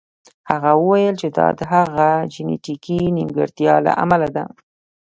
هغه وویل چې دا د هغه د جینیتیکي نیمګړتیا له امله ده